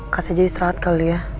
kasih jadi istirahat kali ya